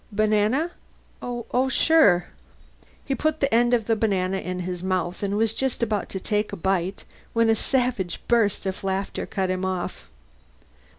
"Banana? Oh, sure." He put the end of the banana in his mouth and was just about to take a bite when a savage burst of laughter cut him off.